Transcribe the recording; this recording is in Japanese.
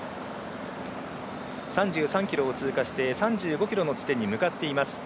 ３３ｋｍを通過して３５ｋｍの地点に向かっています。